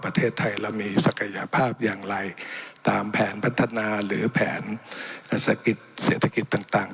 ประเทศไทยเรามีศักยภาพอย่างไรตามแผนพัฒนาหรือแผนเศรษฐกิจต่าง